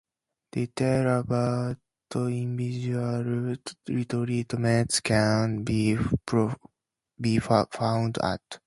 Details about individual retreats can be found at.